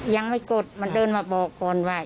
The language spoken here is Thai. ยังไม่กดมันเดินมาบอกก่อนว่า